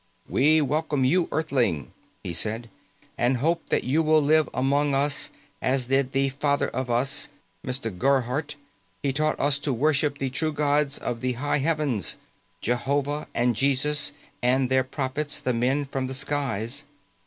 "We welcome you, Earthling," he said, "and hope that you will live among us, as did the Father of Us, Mr. Gerhardt. He taught us to worship the true gods of the high heavens. Jehovah, and Jesus and their prophets the men from the skies.